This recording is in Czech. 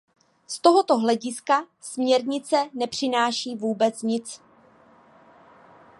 Z tohoto hlediska směrnice nepřináší vůbec nic.